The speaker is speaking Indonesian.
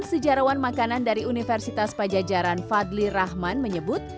sejarawan makanan dari universitas pajajaran fadli rahman menyebut